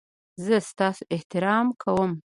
زه ستاسو احترام کوم